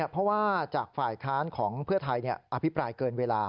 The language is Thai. เพราะว่าจากฝ่ายค้านของเพื่อไทยอภิปรายเกินเวลา